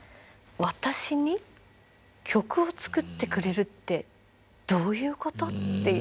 私に曲を作ってくれるってどういうこと？っていう。